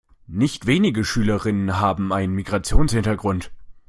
Nicht wenige Schülerinnen haben einen Migrationshintergrund.